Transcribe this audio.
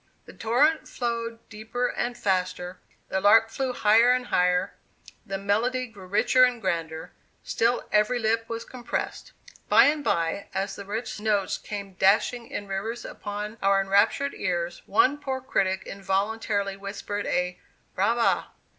The torrent flowed deeper and faster, the lark flew higher and higher, the melody grew richer and grander; still every lip was compressed. By and by, as the rich notes came dashing in rivers upon our enraptured ears, one poor critic involuntarily whispered a 'brava.